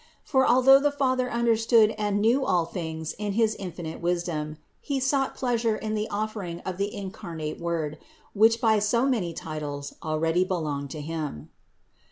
For although the Father understood and knew all things in his infinite wisdom, He sought pleasure in the offer ing of the incarnate Word, which by so many titles al ready belonged to Him.